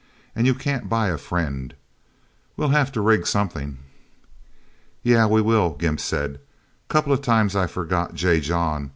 And you can't buy a friend. We'll have to rig something." "Yeah we will," Gimp said. "Couple of times I forgot J. John.